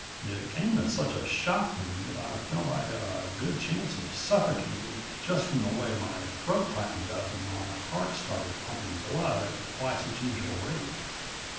It came as such a shock to me that I felt I had a good chance of suffocating, just from the way my throat tightened up and my heart started pumping blood at twice its usual rate.